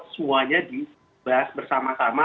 semuanya dibahas bersama sama